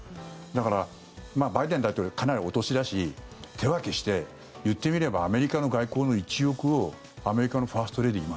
だから、バイデン大統領かなりお年だし手分けして、言ってみればアメリカの外交の一翼をアメリカのファーストレディー